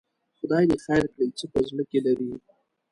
خدای دې خیر کړي، څه په زړه کې لري؟